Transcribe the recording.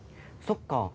そっか。